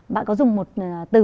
bạn có dùng một từ